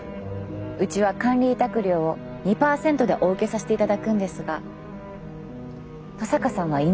うちは管理委託料を２％でお受けさせていただくんですが登坂さんは今？